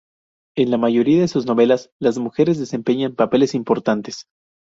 En la mayoría de sus novelas, las mujeres desempeñan papeles importantes.